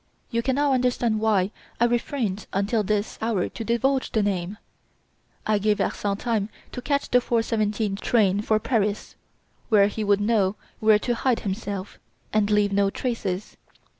You can now understand why I refrained until this hour to divulge the name. I gave Larsan time to catch the 4:17 train for Paris, where he would know where to hide himself, and leave no traces.